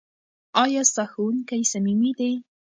ایا ستا ښوونکی صمیمي دی؟